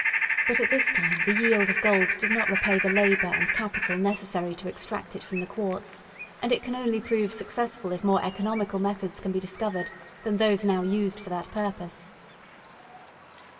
But at this time the yield of gold did not repay the labour and capital necessary to extract it from the quartz; and it can only prove successful if more economical methods can be discovered than those now used for that purpose.